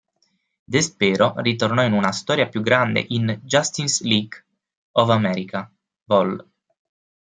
Despero ritornò in una storia più grande in "Justice League of America" vol.